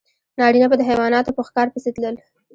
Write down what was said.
نارینه به د حیواناتو په ښکار پسې تلل.